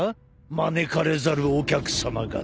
招かれざるお客さま方。